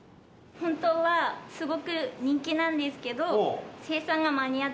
本当はすごく人気なんですけどああ